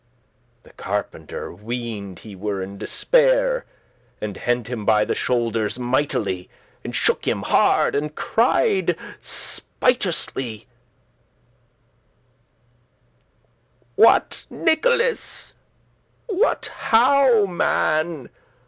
The carpenter ween'd* he were in despair, *thought And hent* him by the shoulders mightily, *caught And shook him hard, and cried spitously;* *angrily "What, Nicholas? what how, man?